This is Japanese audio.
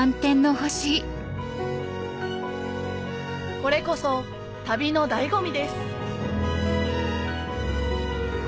これこそ旅の醍醐味です